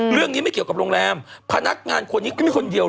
เรื่องนี้ไม่เกี่ยวกับโรงแรมพนักงานคนนี้ก็ไม่คนเดียว